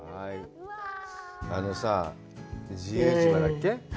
あのさ、自由市場だっけ？